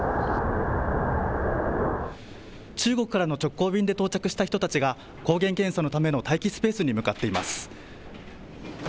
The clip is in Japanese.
中国からの直行便で到着した人たちが抗原検査のための待機スペースに向かっています。